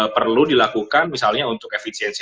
perlu dilakukan misalnya untuk efisiensi